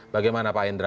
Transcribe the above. bagaimana pak indra